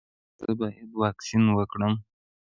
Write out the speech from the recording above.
ایا زه باید واکسین وکړم؟